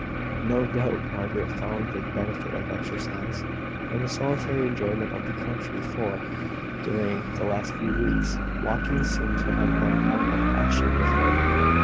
No doubt Margaret found the benefit of exercise, and the solitary enjoyment of the country; for, during the last few weeks, walking seemed to have become a passion with her.